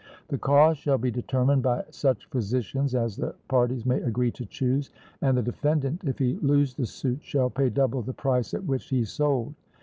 The cause shall be determined by such physicians as the parties may agree to choose; and the defendant, if he lose the suit, shall pay double the price at which he sold.